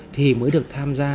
thì mới được tham gia